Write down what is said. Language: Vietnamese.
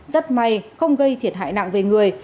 rất may không gây thiệt hại nặng về người